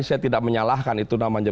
saya tidak menyalahkan itu namanya